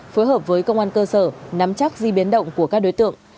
phối hợp với công an cơ sở nắm chắc di biến động của các đối tượng